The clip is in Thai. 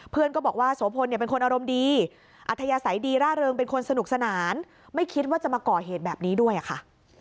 เพื่อนก็บอกว่าโสพลเนี่ยเป็นคนอารมณ์ดีอัธยาศัยดีร่าเริงเป็นคนสนุกสนานไม่คิดว่าจะมาก่อเหตุแบบนี้ด้วยค่ะ